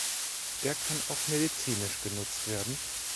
Er kann auch medizinisch genutzt werden.